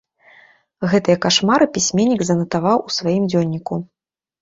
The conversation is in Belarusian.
Гэтыя кашмары пісьменнік занатаваў у сваім дзённіку.